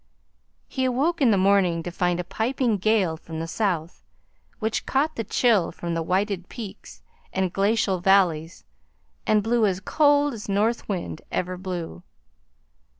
He awoke in the morning to find a piping gale from the south, which caught the chill from the whited peaks and glacial valleys and blew as cold as north wind ever blew.